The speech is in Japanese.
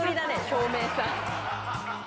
照明さん。